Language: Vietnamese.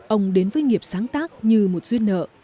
ông đến với nghiệp sáng tác như một duyên nợ